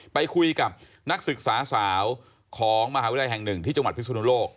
ไปคุยกับนักศึกษาสาวของมหาวิทยาลัยแห่งหนึ่งที่จังหวัดพิสุนุโลก